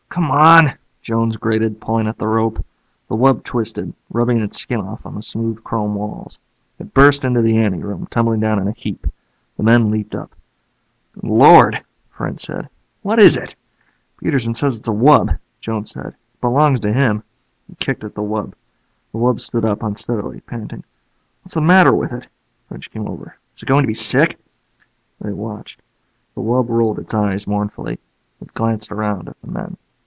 "Come on," Jones grated, pulling at the rope. The wub twisted, rubbing its skin off on the smooth chrome walls. It burst into the ante room, tumbling down in a heap. The men leaped up. "Good Lord," French said. "What is it?" "Peterson says it's a wub," Jones said. "It belongs to him." He kicked at the wub. The wub stood up unsteadily, panting. "What's the matter with it?" French came over. "Is it going to be sick?" They watched. The wub rolled its eyes mournfully. It gazed around at the men.